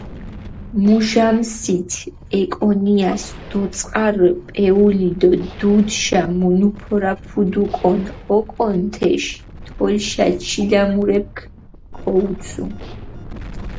მუჟამსით ეკონიას დოწყარჷ პეული დო დუდშა მუნუფორაფუდუკონ ოკონ თეშ, თოლშა ჩილამურეფქ ქოუცუ.